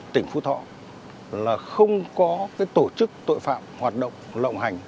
tỉnh phú thọ là không có tổ chức tội phạm hoạt động lộng hành